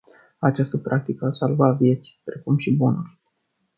Această practică a salvat vieți, precum și bunuri.